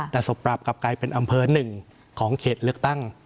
แต่ศพปราบกลับกลายเป็นอำเภอหนึ่งของเขตเลือกตั้ง